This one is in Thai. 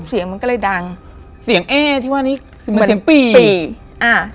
เสียงมันก็เลยดังเสียงเอ๊ที่ว่านี้เหมือนเสียงปี่ปีอ่า